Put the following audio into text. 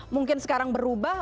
mungkin sekarang berubah